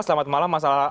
selamat malam mas al araf